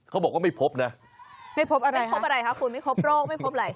เขาบอกว่าไม่พบนะไม่พบอะไรครับคุณไม่พบโรคไม่พบอะไร